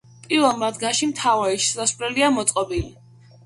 პირველ მათგანში მთავარი შესასვლელია მოწყობილი.